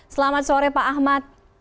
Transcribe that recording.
selamat sore pak ahmad